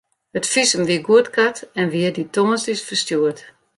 It fisum wie goedkard en wie dy tongersdeis ferstjoerd.